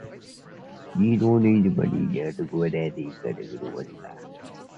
The ordinary sittings of the Court occur in Hobart, Launceston and Burnie in Tasmania.